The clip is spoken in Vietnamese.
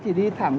chỉ đi thẳng